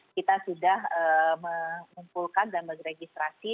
kita sudah mengumpulkan dan meregistrasi